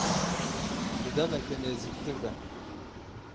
Di demeke nêzîktir de.